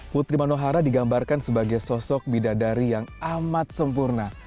putri manohara digambarkan sebagai sosok bidadari yang amat sempurna